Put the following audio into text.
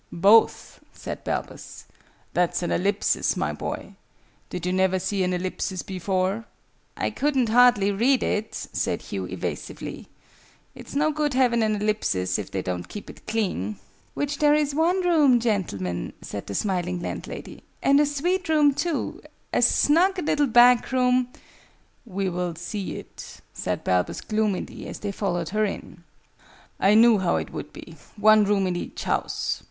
"Both," said Balbus. "That's an Ellipsis, my boy. Did you never see an Ellipsis before?" "I couldn't hardly read it," said Hugh, evasively. "It's no good having an Ellipsis, if they don't keep it clean." "Which there is one room, gentlemen," said the smiling landlady. "And a sweet room too! As snug a little back room " "We will see it," said Balbus gloomily, as they followed her in. "I knew how it would be! One room in each house!